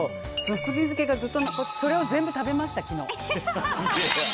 福神漬けが残っててそれを全部食べました。